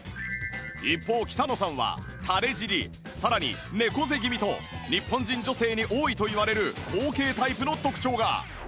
一方北野さんはたれ尻さらに猫背気味と日本人女性に多いといわれる後傾タイプの特徴が